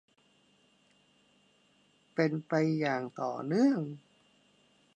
เป็นไปอย่างต่อเนื่อง